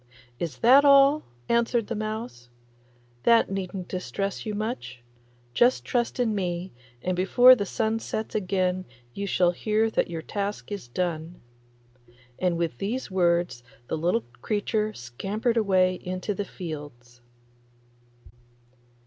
'Is that all?' answered the mouse; 'that needn't distress you much. Just trust in me, and before the sun sets again you shall hear that your task is done.' And with these words the little creature scampered away into the fields.